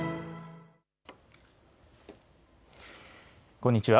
こんにちは。